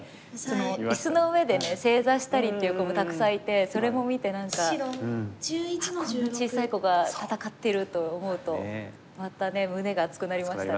椅子の上で正座したりっていう子もたくさんいてそれも見て何か「あっこんな小さい子が戦ってる」と思うとまたね胸が熱くなりましたね。